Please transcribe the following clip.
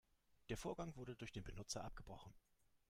Der Vorgang wurde durch den Benutzer abgebrochen.